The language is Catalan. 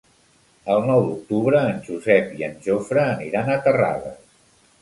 El nou d'octubre en Josep i en Jofre aniran a Terrades.